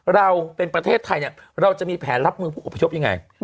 เราเป็นประเทศไทยเนี่ยเราจะมีแผนรับมือผู้อพยพยังไง